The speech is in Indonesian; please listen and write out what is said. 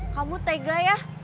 kamu tega ya